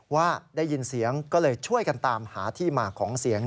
ว่าได้ยินเสียงก็เลยช่วยกันตามหาที่มาของเสียง